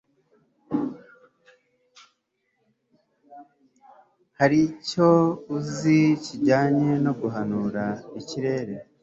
hari icyo uzi kijyanye no guhanura ikirere